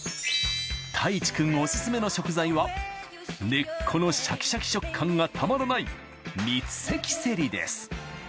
太一くんオススメの食材は根っこのシャキシャキ食感がたまらない三関せりです